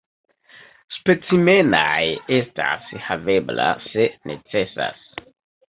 Specimenaj estas havebla se necesas.